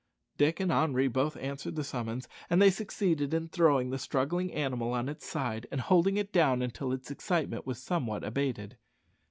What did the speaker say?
Dick and Henri both answered to the summons, and they succeeded in throwing the struggling animal on its side and holding it down until its excitement was somewhat abated.